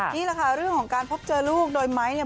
นี่แหละค่ะเรื่องของการพบเจอลูกโดยไม้เนี่ย